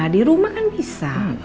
dirumah kan bisa